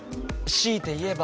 しいて言えば？